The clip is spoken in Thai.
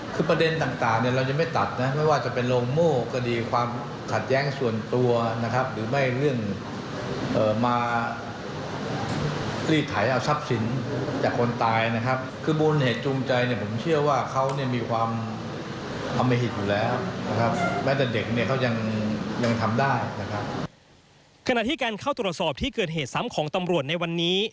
ขณะที่การเข้าตรวจสอบที่เกิดเหตุซ้ำของตำรวจในวันนี้